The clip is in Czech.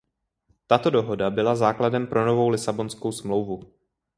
Tato dohoda byla základem pro novou Lisabonskou smlouvu.